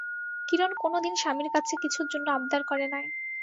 কিরণ কোনোদিন স্বামীর কাছে কিছুর জন্য আবদার করে নাই।